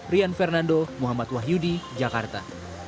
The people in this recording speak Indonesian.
rian fernando muhammad wahyudi jakarta